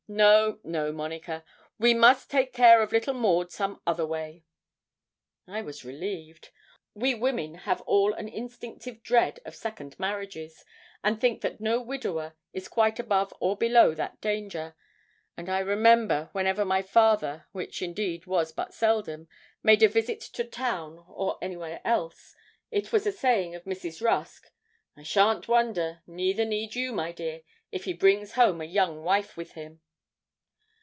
No, no, Monica; we must take care of little Maud some other way.' I was relieved. We women have all an instinctive dread of second marriages, and think that no widower is quite above or below that danger; and I remember, whenever my father, which indeed was but seldom, made a visit to town or anywhere else, it was a saying of Mrs. Rusk 'I shan't wonder, neither need you, my dear, if he brings home a young wife with him.'